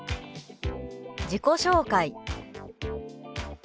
「自己紹介」。